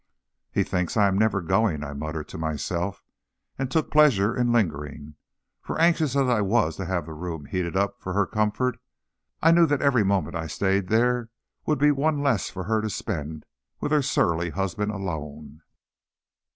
"He thinks I am never going," I muttered to myself, and took pleasure in lingering; for, anxious as I was to have the room heated up for her comfort, I knew that every moment I stayed there would be one less for her to spend with her surly husband alone.